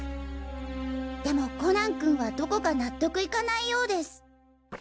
でもコナン君はどこか納得いかないようです。